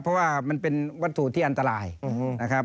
เพราะว่ามันเป็นวัตถุที่อันตรายนะครับ